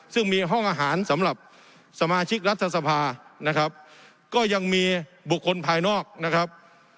ซึ่งมีห้องอาหารสำหรับสมาชิกรัฐสภานะครับก็ยังมีบุคคลภายนอกนะครับ